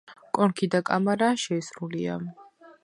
კონქი და კამარა შეისრულია.